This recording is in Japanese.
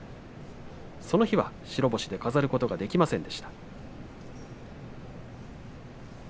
その日は白星で飾ることはできませんでした。